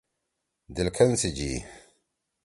دلکھن سی جی۔